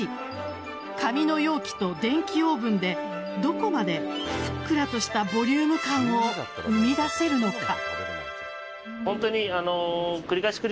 紙の容器と電気オーブンでどこまでふっくらとしたボリューム感を生み出せるのか。